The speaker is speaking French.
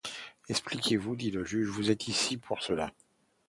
Expliquez-vous, dit le juge, vous êtes ici pour cela.